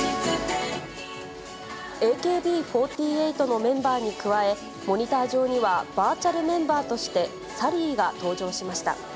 ＡＫＢ４８のメンバーに加え、モニター上には、バーチャルメンバーとしてサリーが登場しました。